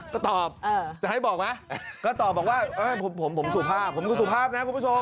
ก็ตอบจะให้บอกไหมก็ตอบบอกว่าผมสุภาพผมดูสุภาพนะคุณผู้ชม